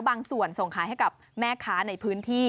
บางส่วนส่งขายให้กับแม่ค้าในพื้นที่